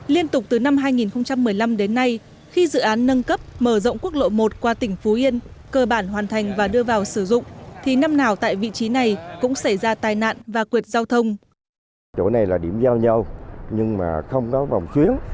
liên tục từ năm hai nghìn một mươi năm đến nay khi dự án nâng cấp mở rộng quốc lộ một qua tỉnh phú yên cơ bản hoàn thành và đưa vào sử dụng thì năm nào tại vị trí này cũng xảy ra tai nạn và quyệt giao thông